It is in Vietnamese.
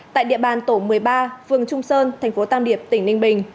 tại địa bàn tổ một mươi ba phường trung sơn tp tam điệp tỉnh ninh bình